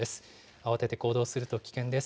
慌てて行動すると危険です。